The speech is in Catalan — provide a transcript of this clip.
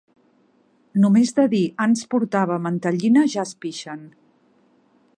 Només de dir «ans portava mantellina» ja es pixen.